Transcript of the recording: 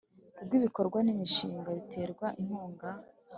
Rw ibikorwa n imishinga biterwa inkunga